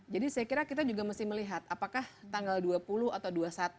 jadi saya kira kita juga mesti melihat apakah tanggal dua puluh atau dua puluh satu